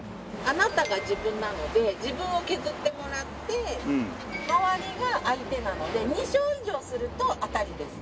「あなた」が自分なので自分を削ってもらって周りが相手なので２勝以上すると当たりです。